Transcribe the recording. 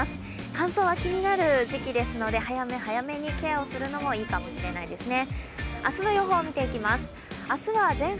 乾燥が気になる時期ですので早め早めにケアをするのもいいかもしれないですね。